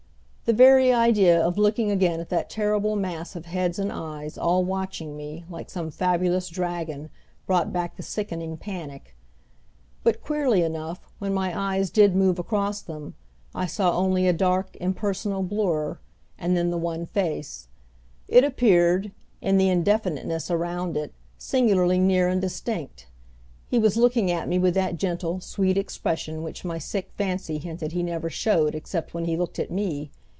The very idea of looking again at that terrible mass of heads and eyes, all watching me, like some fabulous dragon, brought back the sickening panic. But, queerly enough, when my eyes did move across them, I saw only a dark, impersonal blur, and then the one face. It appeared, in the indefiniteness around it, singularly near and distinct. He was looking at me with that gentle, sweet expression which my sick fancy hinted he never showed except when he looked at me.